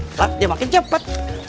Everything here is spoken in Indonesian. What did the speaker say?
mbak dia makin cepet